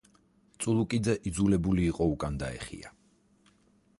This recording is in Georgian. წულუკიძე იძულებული იყო უკან დაეხია.